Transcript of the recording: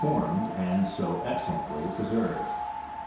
formed and so excellently preserved.